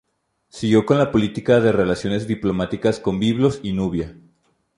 Siguió con la política de relaciones diplomáticas con Biblos y Nubia.